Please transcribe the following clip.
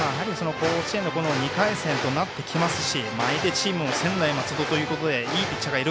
甲子園の２回戦となってきますし相手チームも専大松戸ということでいいピッチャーがいる。